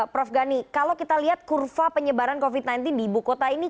prof gani kalau kita lihat kurva penyebaran covid sembilan belas di ibu kota ini